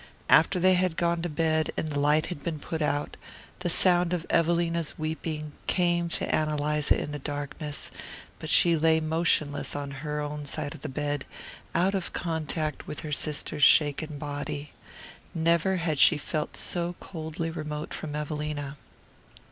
After they had gone to bed, and the light had been put out, the sound of Evelina's weeping came to Ann Eliza in the darkness, but she lay motionless on her own side of the bed, out of contact with her sister's shaken body. Never had she felt so coldly remote from Evelina.